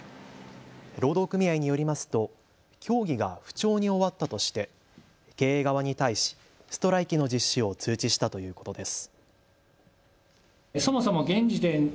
労働組合によりますと協議が不調に終わったとして経営側に対しストライキの実施を通知したということです。